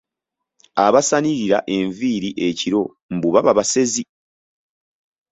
Abasanirira enviiri ekiro mbu baba basezi!